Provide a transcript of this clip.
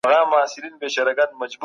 انصاف د خلګو زړونه نرموي.